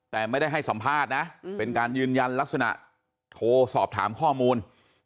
แต่ไม่ได้ให้สัมภาษณ์นะเป็นการยืนยันลักษณะโทรสอบถามข้อมูล